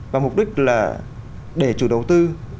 và mục đích là để chủ đầu tư